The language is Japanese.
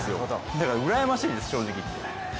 だからうらやましいです、正直言って。